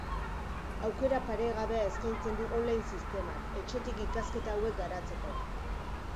Aukera paregabea eskaintzen du online sistemak, etxetik ikasketa hauek garatzeko.